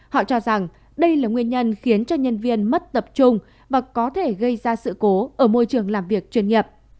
họ cho rằng đây là nguyên nhân khiến cho nhân viên mất tập trung và có thể gây ra sự cố ở môi trường làm việc chuyên nghiệp